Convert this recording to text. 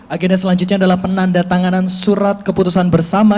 agenda selanjutnya adalah penandatanganan surat keputusan bersama